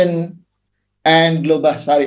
dan para aktor bisnis global sharia